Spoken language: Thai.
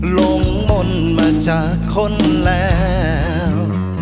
มนต์มาจากคนแล้ว